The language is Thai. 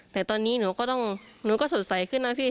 แต่ตอนนี้หนูก็ต้องหนูก็สดใสขึ้นนะพี่